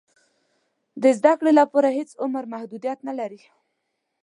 د زده کړې لپاره هېڅ عمر محدودیت نه لري.